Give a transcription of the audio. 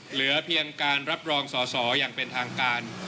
เหลือเพียงการรับรองสอสออย่างเป็นทางการ